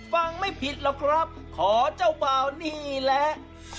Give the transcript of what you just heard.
ฟังไม่ผิดหรอกครับขอเจ้าบ่าวนี่แหละ